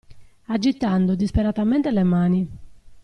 Agitando disperatamente le mani.